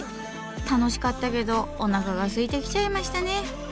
楽しかったけどおなかがすいてきちゃいましたね。